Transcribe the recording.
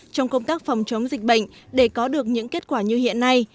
trong công tác phòng chống dịch bệnh để có được những kết quả như hiện nay